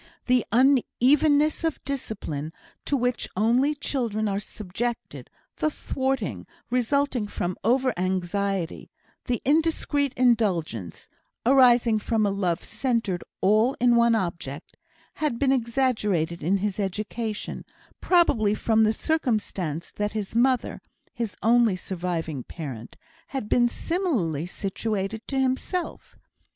The unevenness of discipline to which only children are subjected; the thwarting, resulting from over anxiety; the indiscreet indulgence, arising from a love centred all in one object; had been exaggerated in his education, probably from the circumstance that his mother (his only surviving parent) had been similarly situated to himself.